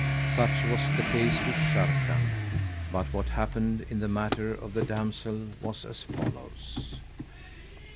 Such was the case with Sharrkan; but what happened in the matter of the damsel was as follows.